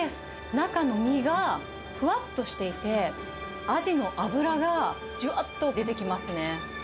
中の身がふわっとしていて、アジの脂がじゅわっと出てきますね。